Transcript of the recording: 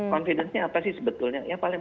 confidence nya apa sih sebetulnya yang paling